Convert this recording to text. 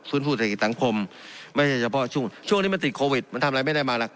ภูมิผู้เศรษฐกิจตังคมไม่ใช่เฉพาะช่วงนี้มันติดโควิดมันทำอะไรไม่ได้มาละ